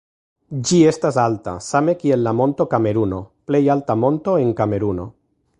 Ĝi estas alta, same kiel la Monto Kameruno, plej alta monto en Kameruno.